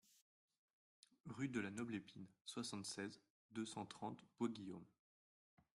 Rue de la Noble Épine, soixante-seize, deux cent trente Bois-Guillaume